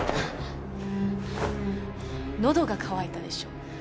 喉が渇いたでしょう？